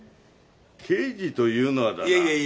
刑事というのはだな。